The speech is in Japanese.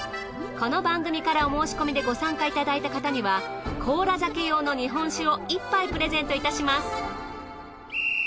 この番組からお申込みでご参加いただいた方には甲羅酒用の日本酒を１杯プレゼントいたします。